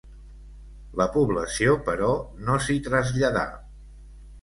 La població, però, no s'hi traslladà.